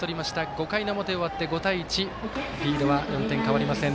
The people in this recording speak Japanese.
５回表終わって５対１リードは４点、変わりません。